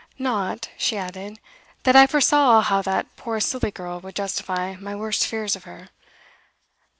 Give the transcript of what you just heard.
Not,' she added, 'that I foresaw how that poor silly girl would justify my worst fears of her.